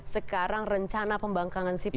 sekarang rencana pembangkangan sipil